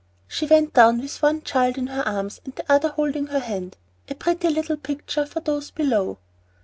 She went down with one child in her arms and the other holding her hand, a pretty little picture for those below.